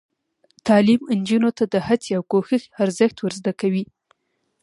تعلیم نجونو ته د هڅې او کوشش ارزښت ور زده کوي.